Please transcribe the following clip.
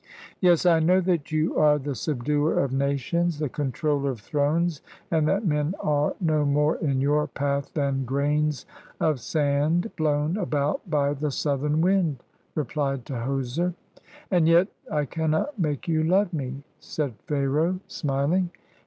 " Yes, I know that you are the subduer of nations, the controller of thrones, and that men are no more in your path than grains of sand blown about by the southern wind," repUed Tahoser. "And yet I cannot make you love me," said Pharaoh, smiling.